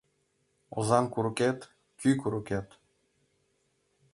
Озаҥ курыкет - кӱ курыкет